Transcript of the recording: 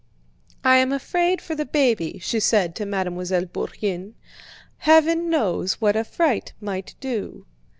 "I am afraid for the baby," she said to Mademoiselle Bourienne: "Heaven knows what a fright might do."